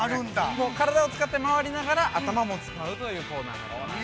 体を使って回りながら、頭も使うというコーナーになっています。